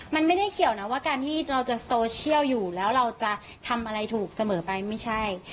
มันไม่ได้เกี่ยวนะว่าการที่เราจะโซเชียลอยู่แล้วเราจะทำอะไรถูกเสมอไปไม่ใช่